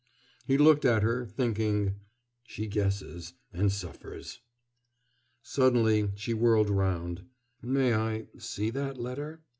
He looked at her, thinking: "She guesses, and suffers." Suddenly she whirled round. "May I see that letter?"